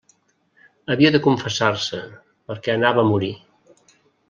Havia de confessar-se, perquè anava a morir.